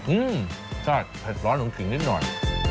อื้มใช่เผ็ดร้อนของกินนิดหน่อย